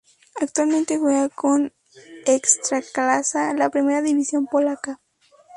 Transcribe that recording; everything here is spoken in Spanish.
Actualmente juega en la Ekstraklasa, la primera división polaca.